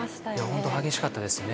本当に激しかったですね。